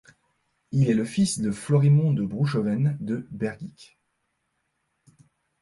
Il est le fils de Florimond de Brouchoven de Bergeyck.